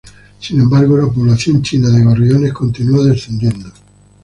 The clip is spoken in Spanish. Sin embargo, la población china de gorriones continúa descendiendo.